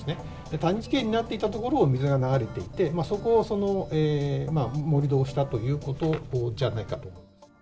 谷地形になっていたところを水が流れていて、そこを盛り土をしたということじゃないかと。